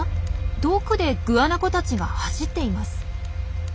遠くでグアナコたちが走っています。